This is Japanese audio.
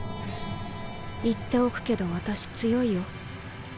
言っておくけど私強いよ。